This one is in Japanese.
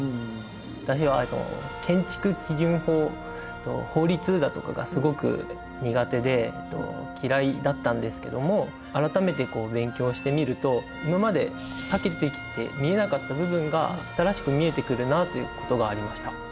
私は建築基準法法律だとかがすごく苦手でキライだったんですけども改めて勉強してみると今まで避けてきて見えなかった部分が新しく見えてくるなということがありました。